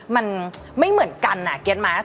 มันไม่เหมือนกันนะเห็นไหม